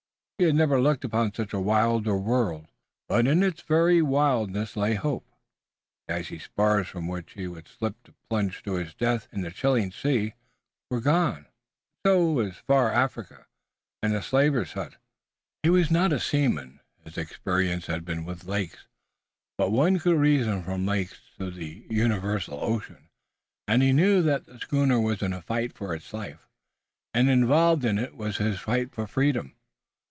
He had never looked upon a wilder world, but in its very wildness lay his hope. The icy spars from which he would slip to plunge to his death in the chilling sea were gone, and so was far Africa, and the slaver's hunt. He was not a seaman, his experience had been with lakes, but one could reason from lakes to the universal ocean, and he knew that the schooner was in a fight for life. And involved in it was his fight for freedom.